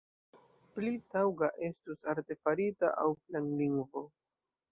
Pli taŭga estus artefarita aŭ planlingvo.